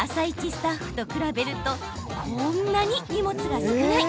スタッフと比べるとこんなに荷物が少ない。